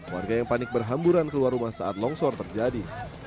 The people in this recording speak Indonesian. warga yang panik berhamburan keluar rumah saat longsor terjadi